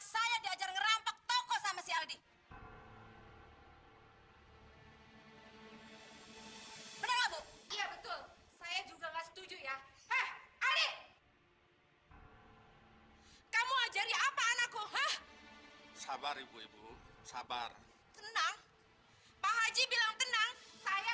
sampai jumpa di video selanjutnya